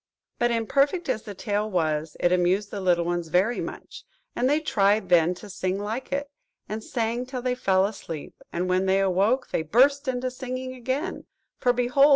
But imperfect as the tale was, it amused the little ones very much, and they tried then to sing like it, and sang till they fell asleep and when they awoke, they burst into singing again; for, behold!